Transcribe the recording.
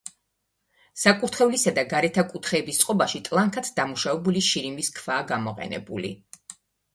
საკურთხევლისა და გარეთა კუთხეების წყობაში ტლანქად დამუშავებული შირიმის ქვაა გამოყენებული.